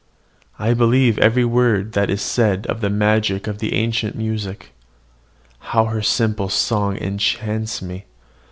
I believe every word that is said of the magic of ancient music. How her simple song enchants me!